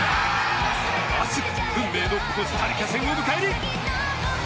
明日、運命のコスタリカ戦を迎える。